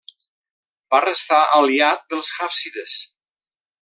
Va restar aliat dels hàfsides.